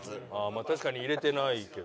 まあ確かに入れてないけど。